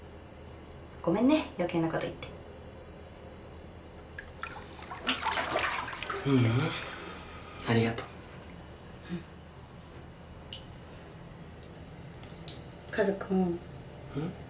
ごめんねよけいなこと言ってううんありがとうんかずくんうん？